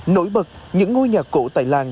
nổi bật những ngôi nhà cổ tại làng